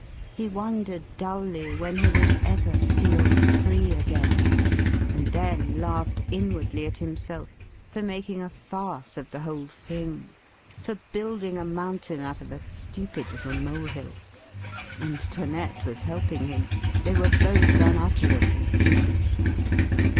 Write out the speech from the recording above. He wondered dully when he would ever feel free again, and then laughed inwardly at himself for making a farce of the whole thing, for building a mountain out of a stupid little molehill. And 'Toinette was helping him. They were both unutterably foolish.